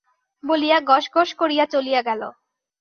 বলিয়া গস গস করিয়া চলিয়া গেল।